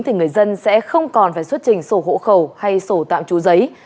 thì người dân sẽ không còn phải xuất trình sổ hộ khẩu hay sổ tạm trú giấy